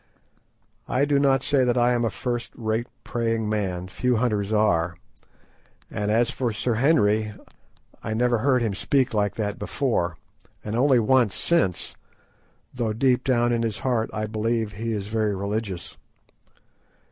I do not say that I am a first rate praying man, few hunters are, and as for Sir Henry, I never heard him speak like that before, and only once since, though deep down in his heart I believe that he is very religious.